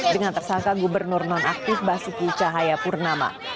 dengan tersangka gubernur nonaktif basuku cahaya purnama